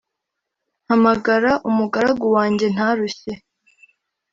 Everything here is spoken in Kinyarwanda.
mpamagara umugaragu wanjye ntarushye